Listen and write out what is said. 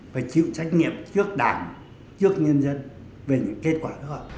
phải chịu trách nhiệm trước đảng trước nhân dân về những kết quả đó